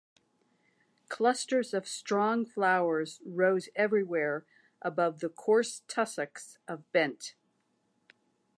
Clusters of strong flowers rose everywhere above the coarse tussocks of bent.